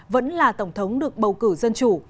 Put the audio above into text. vẫn là tổng thống được bầu cử dân chủ